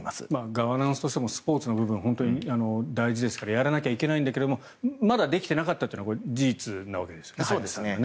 ガバナンスとしてもスポーツの部分は本当に大事ですからやらなきゃいけないんだけどまだできてなかったというのはそうですね。